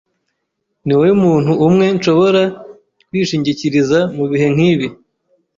Niwowe muntu umwe nshobora kwishingikiriza mubihe nkibi.